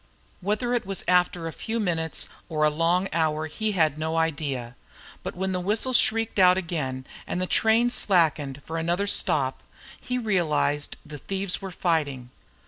Whether it was after a few minutes or a long hour he had no idea, but when the whistle shrieked out again and the train slackened for another stop, he realized the thieves were fighting.